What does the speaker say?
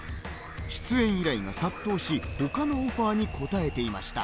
出演依頼が殺到し、他のオファーに応えていました。